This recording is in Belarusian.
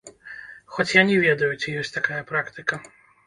Хоць я не ведаю, ці ёсць такая практыка.